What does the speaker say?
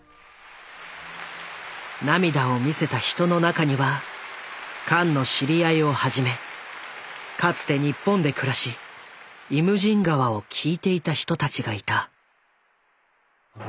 涙を見せた人の中にはカンの知り合いをはじめかつて日本で暮らし「イムジン河」を聴いていた人たちがいた。